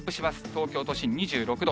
東京都心２６度。